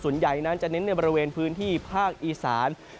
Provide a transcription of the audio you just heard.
ส่วนใหญ่นั้นจะเน้นในบริเวณพื้นที่ภาคอีสาน